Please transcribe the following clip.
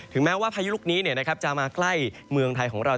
แม้ว่าพายุลูกนี้จะมาใกล้เมืองไทยของเรา